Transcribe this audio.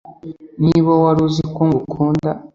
Niba wari uzi ko ngukunda